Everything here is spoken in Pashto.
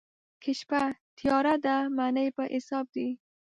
که شپه تياره ده، مڼې په حساب دي.